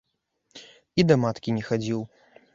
І да маткі не хадзіў.